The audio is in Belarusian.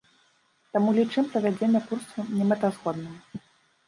Таму лічым правядзенне курсаў немэтазгодным.